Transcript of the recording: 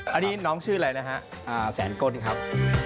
อันนี้น้องชื่ออะไรนะฮะแสนก้นครับ